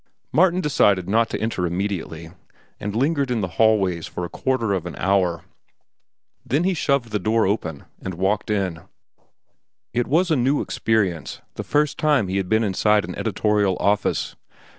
Martin decided not to enter immediately, and lingered in the hallways for a quarter of an hour. Then he shoved the door open and walked in. It was a new experience, the first time he had been inside an editorial office.